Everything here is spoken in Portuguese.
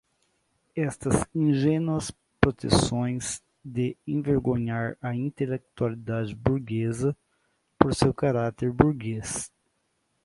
Estas ingênuas pretensões de envergonhar a intelectualidade burguesa por seu caráter burguês